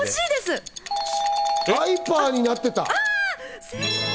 アイパーになった。